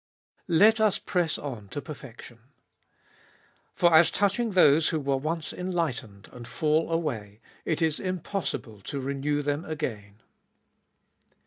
Let us press on to perfection. For as touching those who were once enlightened, and fall away, it is impossible to renew them again.